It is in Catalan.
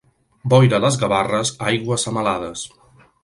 Boira a les Gavarres, aigua a semalades.